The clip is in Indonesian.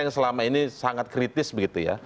yang selama ini sangat kritis begitu ya